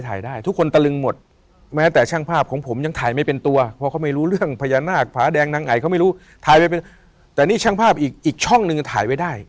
เหตุการณ์ที่เราดูเนี่ยนะฮะ